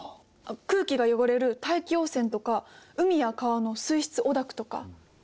空気が汚れる大気汚染とか海や川の水質汚濁とか。